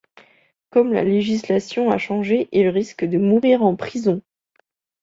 Comme la législation a changé il risque de mourir en prison.